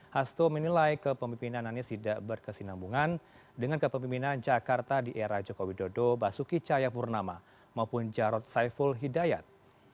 hasto menilai kepemimpinan anies tidak berkesinambungan dengan kepemimpinan jakarta di era joko widodo basuki cahayapurnama maupun jarod saiful hidayat